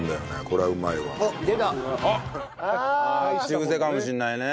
口癖かもしれないね。